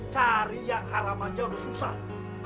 cari yang haram aja udah susah